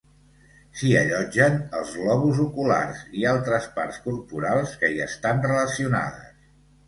S'hi allotgen els globus oculars i altres parts corporals que hi estan relacionades.